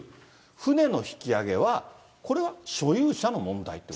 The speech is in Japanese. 船の引き揚げは、これは所有者の問題と。